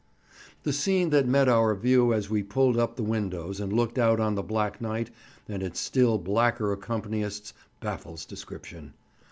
The scene that met our view as we pulled up the windows and looked out on the black night and its still blacker accompanyists baffles description.